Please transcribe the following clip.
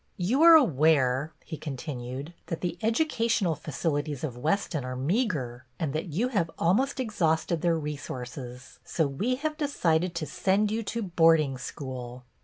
" You are aware," he continued, " that the educational facilities of Weston are meagre, and that you have almost exhausted their resources, so we have decided to send you to boarding school."